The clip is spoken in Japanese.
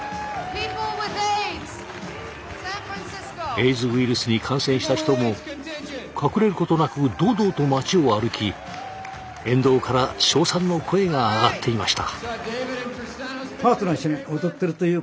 エイズウイルスに感染した人も隠れることなく堂々と街を歩き沿道から称賛の声が上がっていました。